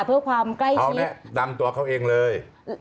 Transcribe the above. เพื่อความใกล้ชิดเขาแนะนำตัวเขาเองเลย